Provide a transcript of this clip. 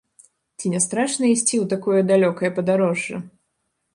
Ці не страшна ісці ў такое далёкае падарожжа?